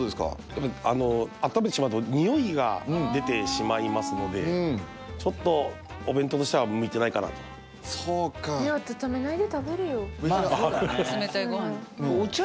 やっぱりあっためてしまうとにおいが出てしまいますのでちょっとお弁当としては向いてないかなとそうかまあそうだね冷たいご飯お茶